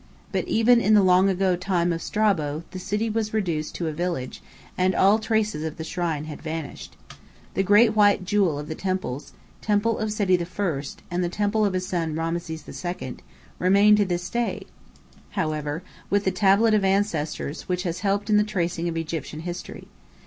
But even in the long ago time of Strabo, the city was reduced to a village, and all traces of the shrine had vanished. The great white jewel of the temples temple of Seti I, and the temple of his son Rameses II remain to this day, however, with the Tablet of Ancestors which has helped in the tracing of Egyptian history.